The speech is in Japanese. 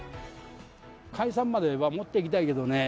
解散までは持っていきたいけどね。